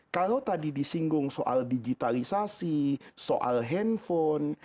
kalau tadi disinggung soal digitalisasi soal handphone